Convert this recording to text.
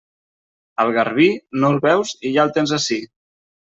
Al garbí, no el veus i ja el tens ací.